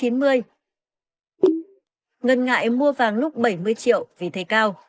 ngân ngại mua vàng lúc bảy mươi triệu vì thấy cao